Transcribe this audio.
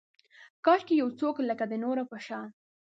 کاشکي یو څوک لکه، د نورو په شان